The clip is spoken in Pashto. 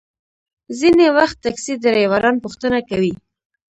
ځینې وخت ټکسي ډریوران پوښتنه کوي.